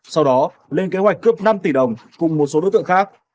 sau đó lên kế hoạch cướp năm tỷ đồng cùng một số đối tượng khác